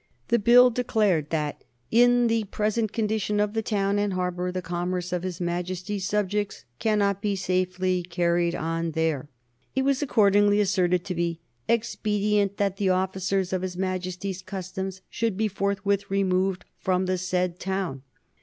The Bill declared that "in the present condition of the town and harbor the commerce of his Majesty's subjects cannot be safely carried on there." It was accordingly asserted to be "expedient that the officers of his Majesty's Customs should be forthwith removed from the said town."